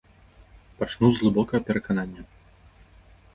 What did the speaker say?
Пачну з глыбокага пераканання.